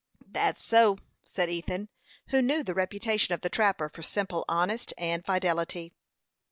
"Thet's so," said Ethan, who knew the reputation of the trapper for simple honesty and fidelity.